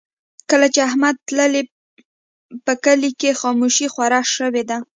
کله چې احمد تللی، په کلي کې خاموشي خوره شوې ده.